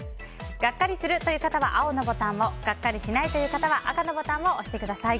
ガッカリするという方は青のボタンをガッカリしないという方は赤のボタンを押してください。